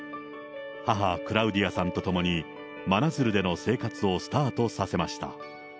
母、クラウディアさんと共に真鶴での生活をスタートさせました。